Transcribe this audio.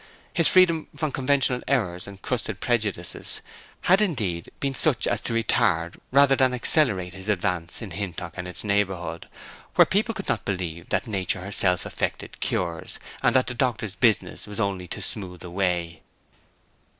His freedom from conventional errors and crusted prejudices had, indeed, been such as to retard rather than accelerate his advance in Hintock and its neighborhood, where people could not believe that nature herself effected cures, and that the doctor's business was only to smooth the way.